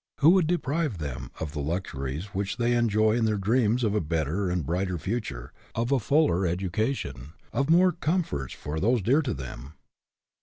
Who would de prive them of the luxuries which they enjoy in their dreams of a better and brighter future, of a fuller education, of more comforts for those dear to them.